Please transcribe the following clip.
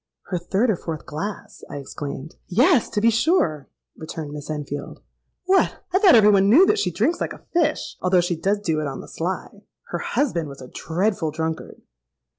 '—'Her third or fourth glass!' I exclaimed.—'Yes, to be sure,' returned Miss Enfield. 'What! I thought every one knew that she drinks like a fish; although she does do it on the sly. Her husband was a dreadful drunkard.'